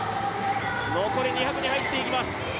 残り２００に入っていきます。